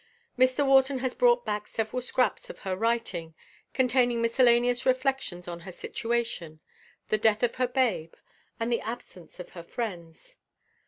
Mr. Wharton has brought back several scraps of her writing, containing miscellaneous reflections on her situation, the death of her babe, and the absence of her friends.